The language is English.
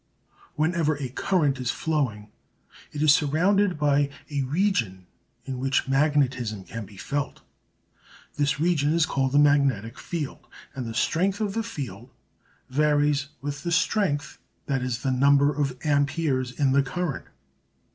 Whenever a current is flowing it is surrounded by a region in which magnetism can be felt. This region is called the magnetic field, and the strength of the field varies with the strength that is the number of amperes in the current.